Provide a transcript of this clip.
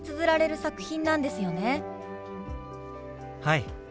はい。